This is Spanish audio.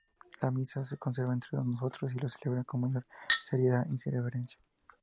La misa se conserva entre nosotros, y se celebra con mayor seriedad y reverencia.